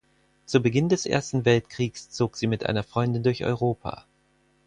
Zu Beginn des Ersten Weltkriegs zog sie mit einer Freundin durch Europa.